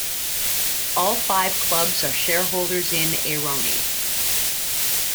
All five clubs are shareholders in Aironi.